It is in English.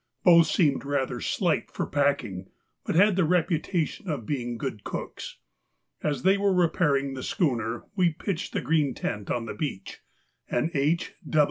Both seemed rather slight for packing, but had the reputation of being good cooks. As they were repairing the schooner, we pitched the green tent on the beach, and H.